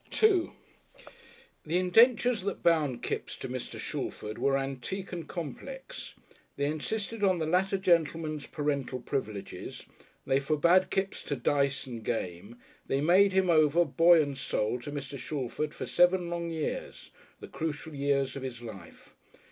§2 The indentures that bound Kipps to Mr. Shalford were antique and complex: they insisted on the latter gentleman's parental privileges; they forbade Kipps to dice and game; they made him over body and soul to Mr. Shalford for seven long years, the crucial years of his life.